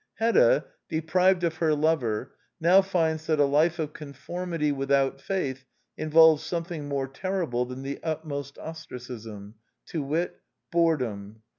Hedda, deprived of her lover, now finds that a life of conformity without faith involves some thing more terrible than the utmost ostracism : to wit, boredom.